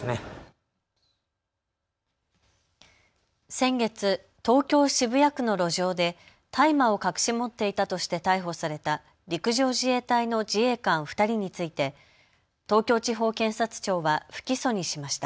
先月、東京渋谷区の路上で大麻を隠し持っていたとして逮捕された陸上自衛隊の自衛官２人について東京地方検察庁は不起訴にしました。